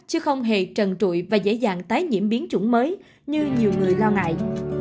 chứ không hề trần trụi và dễ dàng tái nhiễm biến chủng mới như nhiều người lo ngại